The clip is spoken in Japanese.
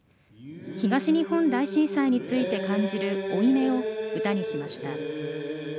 東日本大震災について感じる負い目を歌にしました。